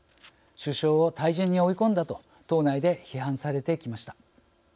首相を退陣に追い込んだと党内で批判されてきました。